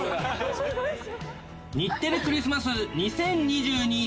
日テレクリスマス２０２２。